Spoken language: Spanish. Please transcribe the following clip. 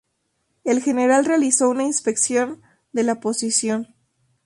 El general realizó una inspección de la posición.